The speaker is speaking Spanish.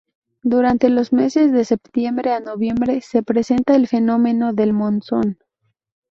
Durante los meses de septiembre a noviembre se presenta el fenómeno del monzón.